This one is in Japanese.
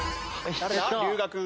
龍我君。